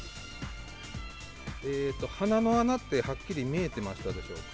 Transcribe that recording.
鼻の穴ってはっきり見えてましたでしょうか。